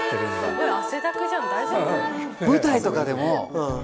すごい汗だくじゃん大丈夫？